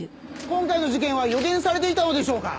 今回の事件は予言されていたのでしょうか？